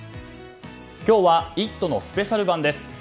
今日は「イット！」のスペシャル版です。